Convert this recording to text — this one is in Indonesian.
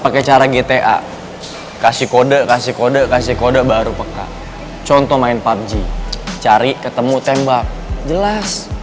pakai cara gta kasih kode kasih kode kasih kode baru peka contoh main pubg cari ketemu tembak jelas